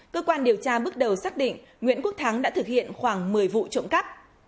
cơ quan điều tra bước đầu xác định nguyễn quốc thắng đã thực hiện khoảng một mươi vụ trộm cắp